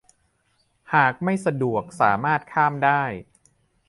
หากไม่สะดวกสามารถข้ามได้